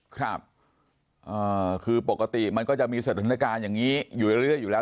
ครับคือปกติมันก็จะมีสถานการณ์อย่างนี้อยู่เรื่อยอยู่แล้ว